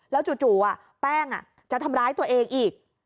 แล้วจู่จู่อ่ะแป้งอ่ะจะทำร้ายตัวเองอีก